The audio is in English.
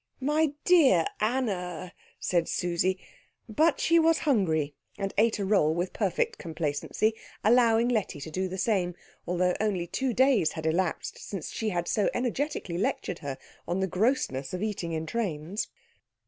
"My dear Anna," said Susie; but she was hungry, and ate a roll with perfect complacency, allowing Letty to do the same, although only two days had elapsed since she had so energetically lectured her on the grossness of eating in trains.